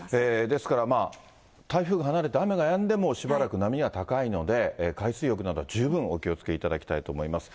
ですから台風が離れて、雨がやんでも、しばらく波が高いので、海水浴など十分お気をつけいただきたいと思います。